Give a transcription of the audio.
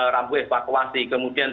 rampu evakuasi kemudian